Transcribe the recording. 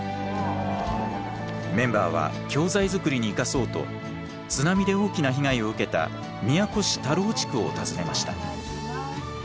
メンバーは教材づくりに生かそうと津波で大きな被害を受けた宮古市田老地区を訪ねました。